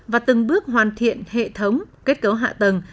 và từng bước hoàn thiện hệ thống kết cấu hạ tầng